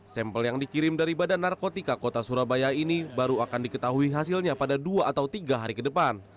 sampel yang dikirim dari badan narkotika kota surabaya ini baru akan diketahui hasilnya pada dua atau tiga hari ke depan